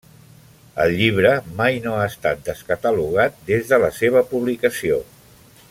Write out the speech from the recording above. El llibre mai no ha estat descatalogat des de la seva publicació.